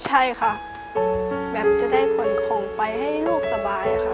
ใช่ค่ะแบบจะได้ขนของไปให้ลูกสบายค่ะ